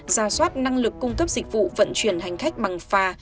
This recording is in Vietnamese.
ra soát năng lực cung cấp dịch vụ vận chuyển hành khách bằng phà